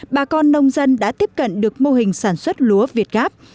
bà con nông dân đã tiếp cận được mô hình sản xuất lúa việt gáp